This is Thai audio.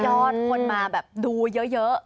ยอดคนมาดูเยอะ